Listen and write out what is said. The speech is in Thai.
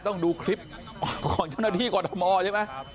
ต้องดูคลิปของเจ้าหน้าที่กรทมใช่ไหม